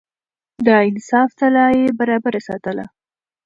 د انصاف تله يې برابره ساتله.